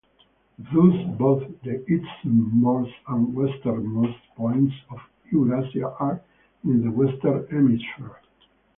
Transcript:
Thus, both the easternmost and westernmost points of Eurasia are in the western hemisphere.